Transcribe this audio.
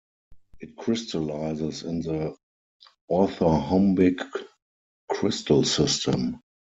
It crystallizes in the orthorhombic crystal system.